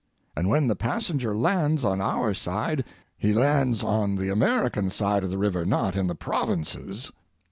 And when the passenger lands on our side he lands on the American side of the river, not in the provinces.